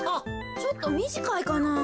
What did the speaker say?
ちょっとみじかいかなあ。